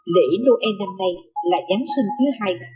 lễ noel năm nay là giáng sinh thứ hai